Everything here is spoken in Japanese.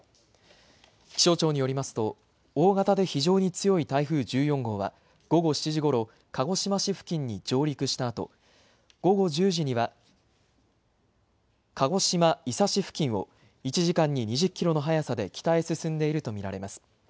気象庁によりますと大型で非常に強い台風１４号は午後７時ごろ鹿児島市付近に上陸したあと、午後１０時には鹿児島伊佐市付近を１時間に２０キロの速さで北へ進んでいると見られます。